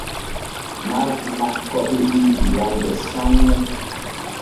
Mardi makko hebii durande sanne.